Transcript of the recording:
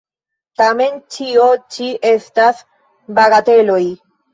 Tamen, ĉio ĉi estas bagateloj!